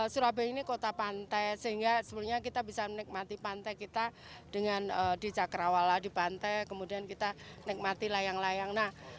surabaya ini kota pantai sehingga sebenarnya kita bisa menikmati pantai kita dengan di cakrawala di pantai kemudian kita nikmati layang layang